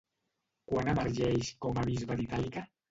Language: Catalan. Quan emergeix com a bisbe d'Itàlica?